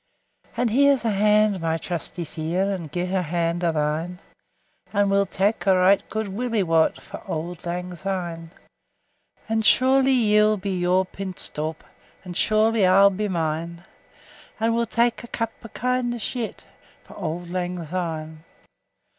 And here 's a hand, my trusty fiere, And gie's a hand o' thine; And we'll tak a right guid willie waught 15 For auld lang syne. And surely ye'll be your pint stowp, And surely I'll be mine; And we'll tak a cup o' kindness yet For auld lang syne!